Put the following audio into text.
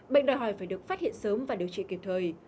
bệnh đòi hỏi phải được phát hiện sớm và điều trị kịp thời